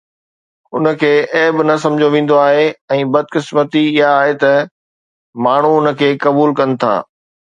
ان کي عيب نه سمجهيو ويندو آهي ۽ بدقسمتي اها آهي ته ماڻهو ان کي قبول ڪن ٿا.